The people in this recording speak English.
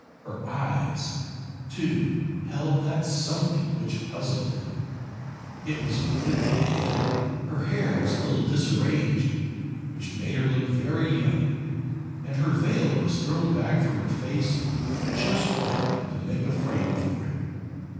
Her eyes, too, held that something which puzzled him. It was a windy day, and her hair was a little disarranged, which made her look very young, and her veil was thrown back from her face just right to make a frame for it.